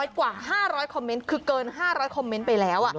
กว่า๕๐๐คอมเมนต์คือเกิน๕๐๐คอมเมนต์ไปแล้ว